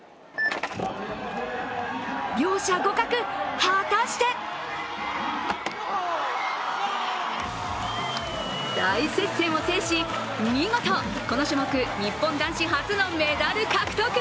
両者互角、果たして大接戦を制し、見事この種目日本男子初のメダル獲得。